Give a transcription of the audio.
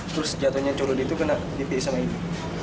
terus jatuhnya celurit itu kena dipilih sama ini